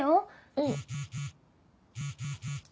うん。